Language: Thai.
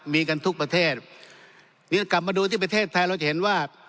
มีกันทุกประเทศนี่กลับมาดูที่ประเทศไทยเราจะเห็นว่า